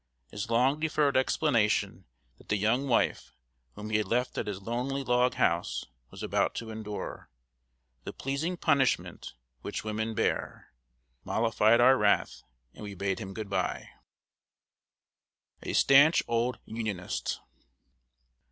His long deferred explanation that the young wife, whom he had left at his lonely log house, was about to endure "The pleasing punishment which women bear," mollified our wrath, and we bade him good by. [Sidenote: A STANCH OLD UNIONIST.